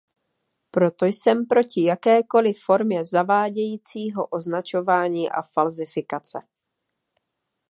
Proto jsem proti jakékoli formě zavádějícího označování a falzifikace.